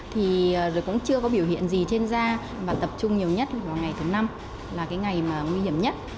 thì cũng chưa có biểu hiện gì trên da mà tập trung nhiều nhất vào ngày thứ năm là cái ngày mà nguy hiểm nhất